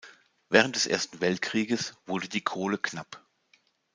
Während des Ersten Weltkrieges wurde die Kohle knapp.